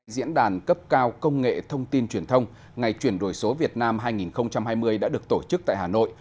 diễn đàn cấp cao công nghệ thông tin truyền thông ngày chuyển đổi số việt nam hai nghìn hai mươi đã được tổ chức tại hà nội